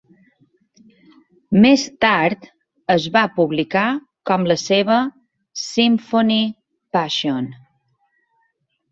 Més tard, es va publicar com la seva "Symphonie-Passion".